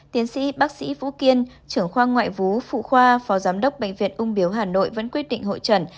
tiến sĩ bác sĩ vũ kiên trưởng khoa ngoại vũ phụ khoa phó giám đốc bệnh viện ung biếu hà nội vẫn quyết định hội trần